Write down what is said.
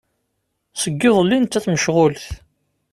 Seg iḍelli nettat mecɣulet.